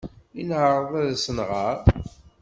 I neɛreḍ ad as-nɣer?